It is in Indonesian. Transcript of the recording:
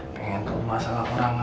pengen tuh masalah orang aja